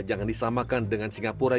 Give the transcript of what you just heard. jangan disamakan dengan singapura